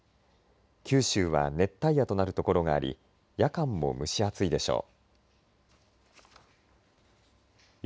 九州は熱帯夜となる所があり夜間も蒸し暑いでしょう。